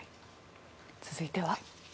続いては。